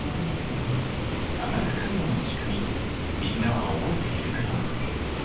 化学カイロのしくみみんなは覚えているかな？